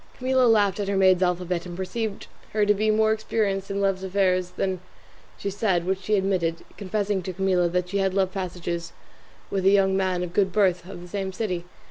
Camilla laughed at her maid's alphabet, and perceived her to be more experienced in love affairs than she said, which she admitted, confessing to Camilla that she had love passages with a young man of good birth of the same city.